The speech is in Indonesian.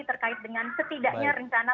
terkait dengan setidaknya rencana